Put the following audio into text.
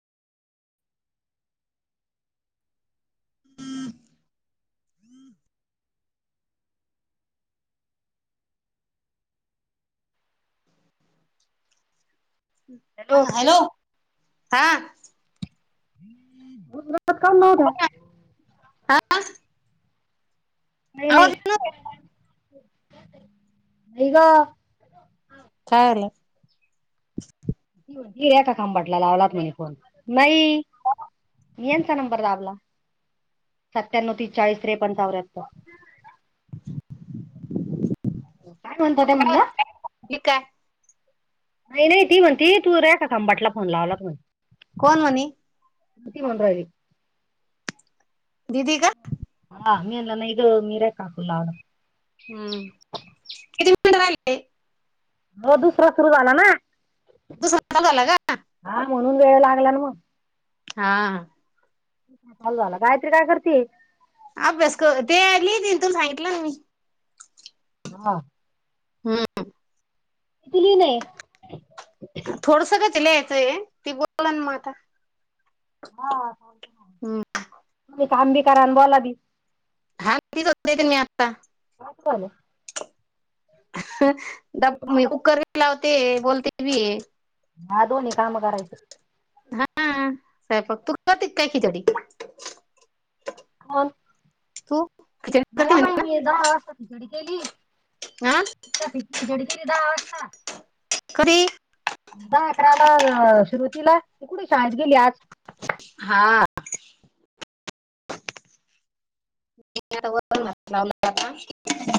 [inaudible] हा हॅलो हा. [inaudible] आज. नाही नाही नाही ग. कारे. किया का खांबाटला लावलात नाही फोन नाही. यांचा नंबर दाबला सत्यान्नव तीसचाळीस त्रेपंचाव्याहत्तर. कोणता ते म्हणला. ली काय नाही नाही ती म्हणते तू रे का खांबाटला फोन लावलाच म्हणे. कोण म्हणे. किती वन राहिली. दीदी का? हा तेला ना गो मीरकाकूला. हम्म. किती मिनिट राहिले? हो दुसरा सुरू झाला ना? तू [unintelligible] झाला का? हा म्हणून वेळ लागला ना मग. हा. चालू झाला. गायत्री काय करते? अभ्यास कर ते आली ते तुला सांगितलं ना मी. हा. हम्म. ती दिली नाय. थोडसंकच लिहायचं आहे. ती बोलला ना मग आता. हा. हम्म तुम्ही काम बी करा, बोला बी. [unintelligible] मी आत्ता. [unintelligible] [inaudible] मी आहे? कुकर ही लावते बोलते बी ये. हा दोन्ही काम करायचं. हा स्वयंपाक तू करतीत काय खिचडी. हो न. तू? खिचडी नाही करते बाबा म्हणे मी दहा वाजता खिचडी केली हा खिचडी केली दहा वाजता. [unintelligible] दहा अकराला अ श्रुतीला ती कुठे शाळेत गेली आज. हां. [unintelligible]